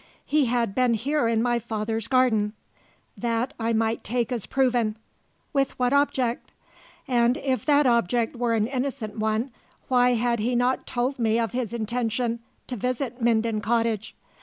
He had been here in my father's garden: that I might take as proven. With what object? And if that object were an innocent one, why had he not told me of his intention to visit Minden Cottage?